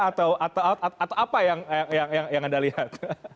atau apa yang anda lihat